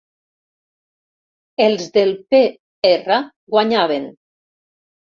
Els del Pe Erra guanyaven.